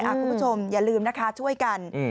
คุณผู้ชมอย่าลืมนะคะช่วยกัน